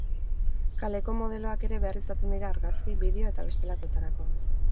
Kaleko modeloak ere behar izaten dira argazki, bideo eta bestelakoetarako.